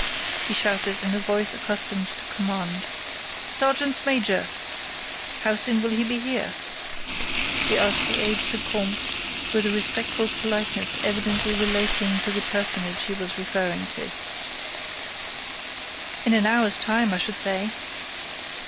he shouted in a voice accustomed to command. "Sergeants major!... How soon will he be here?" he asked the aide de camp with a respectful politeness evidently relating to the personage he was referring to. "In an hour's time, I should say."